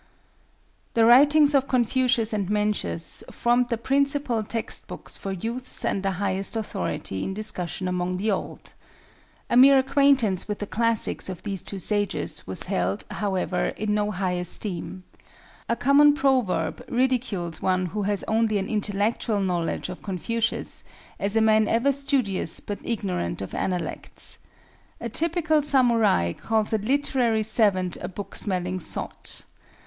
The writings of Confucius and Mencius formed the principal text books for youths and the highest authority in discussion among the old. A mere acquaintance with the classics of these two sages was held, however, in no high esteem. A common proverb ridicules one who has only an intellectual knowledge of Confucius, as a man ever studious but ignorant of Analects. A typical samurai calls a literary savant a book smelling sot.